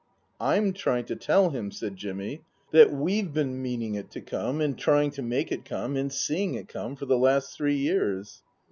" I'm trying to tell him," said Jimmy, " that we've been meaning it to come, and trying to make it come, and seeing it come for the last three years."